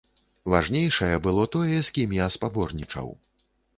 Важнейшае было тое, з кім я спаборнічаў.